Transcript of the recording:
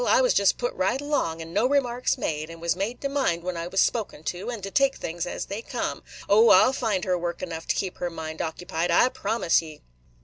I was jest put right along, and no remarks made; and was made to mind when I was spoken to, and to take things as they come. O, I 'll find her work enough to keep her mind occupied, I promise ye."